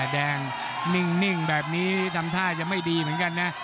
แดงนิ่งแบบนี้ทำท่าจะไม่ดีเหมือนกันนะ